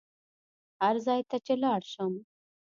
هر ځای ته چې لاړ شم.